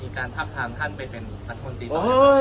มีการทับทางท่านไปเป็นตัดค้นตีต่อ